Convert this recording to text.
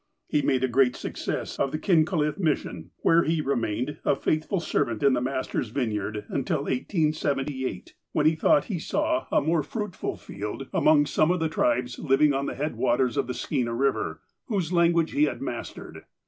He made a great success of the Kincolith mission, where he remained, a faithful servant in the Master's vineyard, until 1878, when he thought he saw a 220 THE APOSTLE OF ALASKA more fruitful field among some of the tribes living on the head waters of the Skeena Eiver, whose language he had mastered.